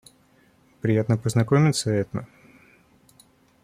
Приятно познакомиться, Этна.